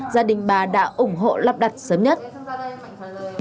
gia đình bà đã ủng hộ lắp đặt sớm nhất